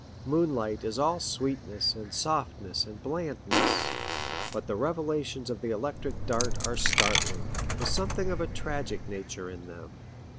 Moonlight is all sweetness and softness and blandness, but the revelations of the electric dart are startling, with something of a tragic nature in them.